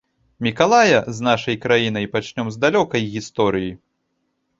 Мікалая з нашай краінай пачнём з далёкай гісторыі.